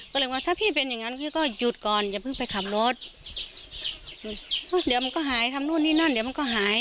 ก็เลยว่าถ้าพี่เป็นอย่างงั้นพี่ก็หยุดก่อนอย่าเพิ่งไปขับรถหยุดเดี๋ยวมันก็หายทำนู่นนี่นั่นเดี๋ยวมันก็หาย